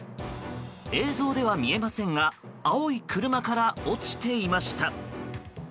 映像では見えませんが青い車から落ちていました。